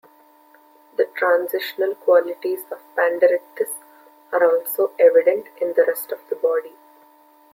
The transitional qualities of "Panderichthys" are also evident in the rest of the body.